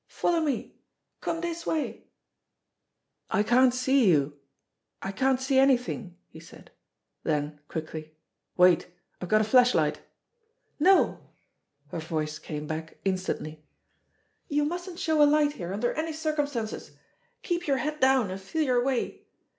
"Follow me; come this way." "I can't see you I can't see anything," he said; then quickly: "Wait! I've got a flashlight." "No!" Her voice came back instantly. *'You mustn't show a light here under any circumstances. Keep your head down, and feel your way.